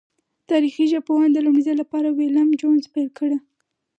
تاریخي ژبپوهنه د لومړی ځل له پاره ویلم جونز پیل کړه.